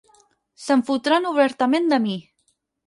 Se'n fotran obertament de mi.